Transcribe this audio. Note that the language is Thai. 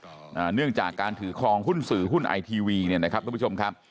อ่าเนื่องจากการถือครองหุ้นสื่อหุ้นไอทีวีเนี่ยนะครับทุกผู้ชมครับ